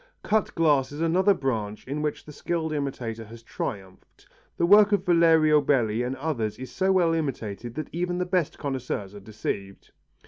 Cut glass is another branch in which the skilful imitator has triumphed. The work of Valerio Belli and others is so well imitated that even the best connoisseurs are deceived.